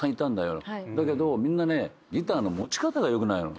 だけどみんなねギターの持ち方が良くないの。